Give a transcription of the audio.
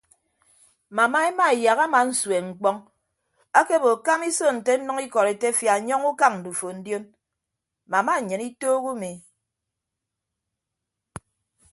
Mama emaeyak ama nsueñ mkpọñ akebo kama iso nte nnʌñ ikọd etefia nyọñ ukañ ndufo ndion mama nnyịn itoho umi.